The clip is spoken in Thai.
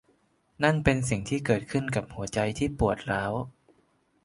นั่นเป็นสิ่งที่เกิดขึ้นกับหัวใจที่ปวดร้าว